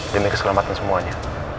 demi keselamatan semuanya